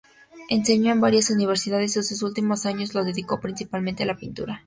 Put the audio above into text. Enseñó en varias universidades y sus últimos años los dedicó principalmente a la pintura.